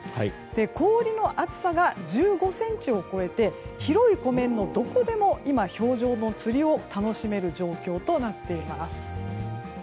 氷の厚さが１５ｃｍを超えて広い湖面のどこでも今、氷上の釣りを楽しめる状況となっています。